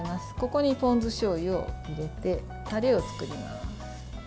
ここにポン酢しょうゆを入れてタレを作ります。